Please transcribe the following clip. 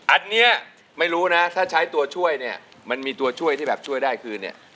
อันนี้ไม่รู้นะถ้าใช้ตัวช่วยเนี่ยมันมีตัวช่วยที่แบบช่วยได้คือเนี่ย